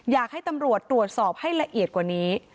อยากให้ตำรวจตรวจสอบให้ละเอียดกว่านี้